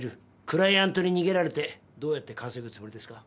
クライアントに逃げられてどうやって稼ぐつもりですか？